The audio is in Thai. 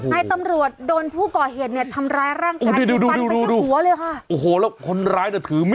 ในตำรวจโดนผู้ก่อเหตุเนี่ยทำร้ายร่างกาย